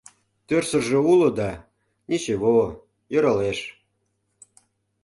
— Тӧрсыржӧ уло да, «ничево», йӧралеш...